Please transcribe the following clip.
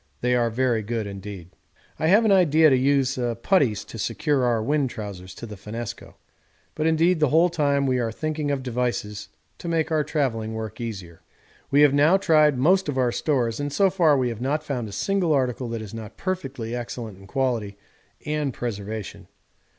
They are very good indeed. I have an idea to use putties to secure our wind trousers to the finnesko. But indeed the whole time we are thinking of devices to make our travelling work easier. 'We have now tried most of our stores, and so far we have not found a single article that is not perfectly excellent in quality and preservation.